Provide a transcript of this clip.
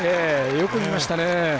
よく見ましたね。